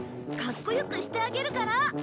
かっこよくしてあげるから。